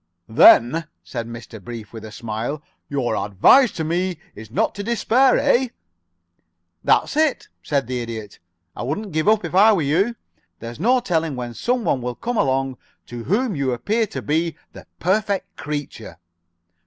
"Then," said Mr. Brief, with a smile, "your advice to me is not to despair, eh?" "That's it," said the Idiot. "I wouldn't give up, if I were you. There's no telling when some one will come along to whom you appear to be the perfect creature."